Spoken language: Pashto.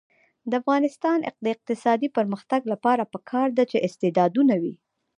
د افغانستان د اقتصادي پرمختګ لپاره پکار ده چې استعدادونه وي.